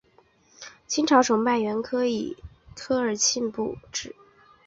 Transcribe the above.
清朝崇德元年以科尔沁部置。